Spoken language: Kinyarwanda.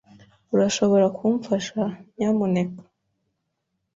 Urashobora kumfasha, nyamuneka?